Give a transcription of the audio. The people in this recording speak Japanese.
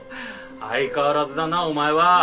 相変わらずだなお前は！